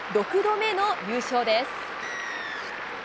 ６度目の優勝です。